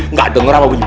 nggak denger apa bunyi